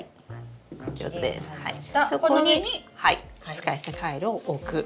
使い捨てカイロを置く。